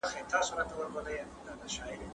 په ځینو ناروغانو کې کانګې او بې خوبي څرګندېږي.